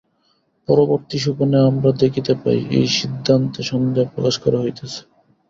পরবর্তী সোপানে আমরা দেখিতে পাই, এই সিদ্ধান্তে সন্দেহ প্রকাশ করা হইতেছে।